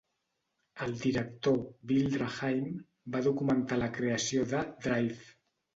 El director Bill Draheim va documentar la creació de "Drive".